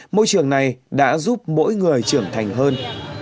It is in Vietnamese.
môi trường này đã giúp mỗi người trưởng thành hơn